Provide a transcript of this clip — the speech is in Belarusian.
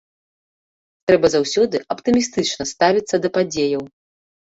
Трэба заўсёды аптымістычна ставіцца да падзеяў.